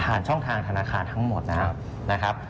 ช่องทางธนาคารทั้งหมดนะครับ